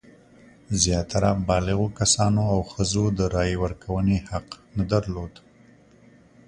زیاتره بالغو کسانو او ښځو د رایې ورکونې حق نه درلود.